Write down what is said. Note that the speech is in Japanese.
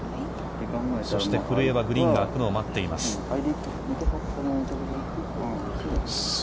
そして、古江はグリーンがあくのを待っています。